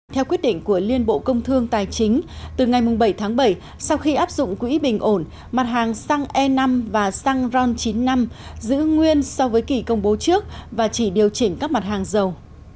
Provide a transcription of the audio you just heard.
theo quyết định của liên bộ công thương tài chính từ ngày bảy tháng bảy sau khi áp dụng quỹ bình ổn mặt hàng xăng e năm và xăng ron chín mươi năm giữ nguyên so với kỷ công bố trước và chỉ điều chỉnh các mặt hàng dầu